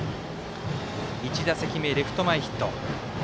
１打席目、レフト前ヒット。